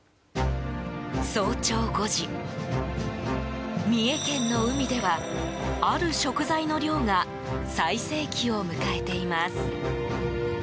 早朝５時、三重県の海ではある食材の漁が最盛期を迎えています。